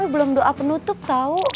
belum doa penutup tau